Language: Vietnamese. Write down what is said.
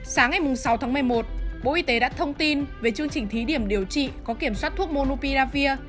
sáng ngày sáu tháng một mươi một bộ y tế đã thông tin về chương trình thí điểm điều trị có kiểm soát thuốc monopiravir